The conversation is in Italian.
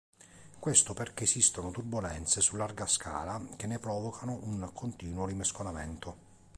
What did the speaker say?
Questo perché esistono turbolenze su larga scala che ne provocano un continuo rimescolamento.